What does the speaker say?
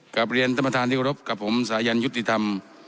กราบเรียนตำราธารที่รับรบกับผมสายัญยุติธรรม